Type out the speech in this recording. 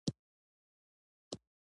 لاسونه له خاورې خوند اخلي